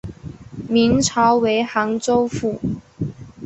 明朝为杭州府。